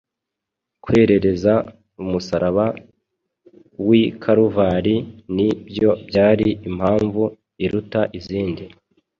Kwerereza umusaraba w’i Kaluvari ni byo byari impamvu iruta izindi